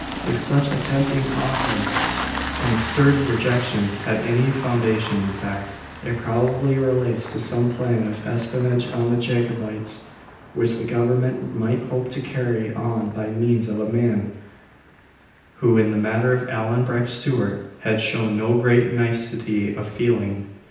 If such a tempting offer and sturdy rejection had any foundation in fact, it probably relates to some plan of espionage on the Jacobites, which the Government might hope to carry on by means of a man who, in the matter of Allan Breck Stewart, had shown no great nicety of feeling.